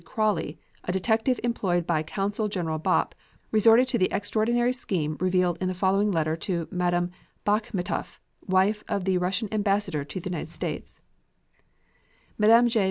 Crowley, a detective employed by Consul General Bopp, resorted to the extraordinary scheme revealed in the following letter to Madam Bakhmeteff, wife of the Russian Ambassador to the United States: MME J.